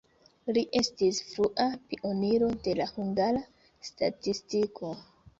Li estis frua pioniro de la hungara statistiko.